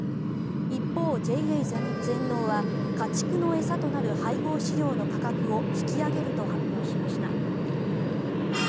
一方、ＪＡ全農は家畜の餌となる配合飼料の価格を引き上げると発表しました。